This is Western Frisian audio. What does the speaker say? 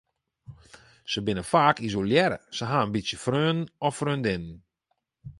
Se binne faak isolearre, se ha in bytsje freonen of freondinnen.